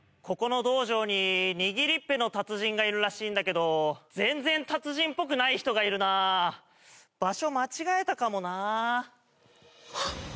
ここの道場ににぎりっ屁の達人がいるらしいんだけど全然達人っぽくない人がいるな場所間違えたかもなハッ！